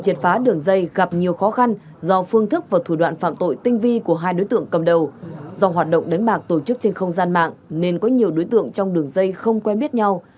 triệt phá đường dây gặp nhiều khó khăn do phương thức và thủ đoạn phạm tội tinh vi của hai đối tượng cầm đầu do hoạt động đánh bạc tổ chức trên không gian mạng nên có nhiều đối tượng trong đường dây không quen biết nhau